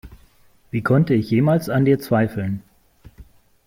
Wie konnte ich jemals an dir zweifeln?